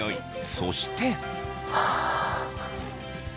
そして。